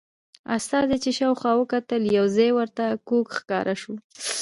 استازي چې شاوخوا وکتل یو ځای ورته کوږ ښکاره شو.